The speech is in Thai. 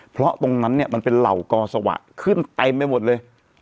เพราะตรงนั้นเนี่ยมันเป็นเหล่ากอสวะขึ้นเต็มไปหมดเลย